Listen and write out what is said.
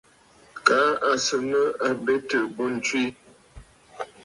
Kaa à sɨ̀ nɨ̂ àbetə̀ bû ǹtswe.